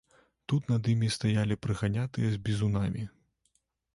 Тут над імі стаялі прыганятыя з бізунамі.